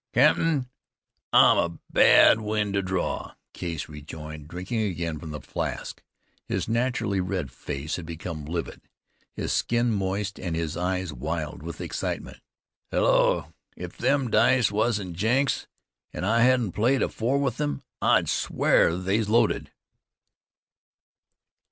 "Cap'n, I'm a bad wind to draw," Case rejoined, drinking again from the flask. His naturally red face had become livid, his skin moist, and his eyes wild with excitement. "Hullo! If them dice wasn't Jenks's, an' I hadn't played afore with him, I'd swear they's loaded."